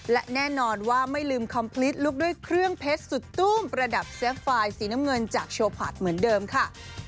และแน่นอนว่าไม่ลืมคอมพลิตลุกด้วยเครื่องเพชรสุดตู้มประดับเซฟไฟล์สีน้ำเงินจากโชว์พาร์ทเหมือนเดิมค่ะ